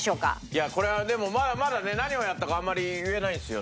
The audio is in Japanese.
いやこれはでもまだね何をやったかあんまり言えないんですよね。